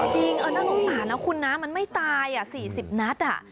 จริงน่ะคุณนะมันไม่ตายอ่ะ๔๐นัทอ่ะ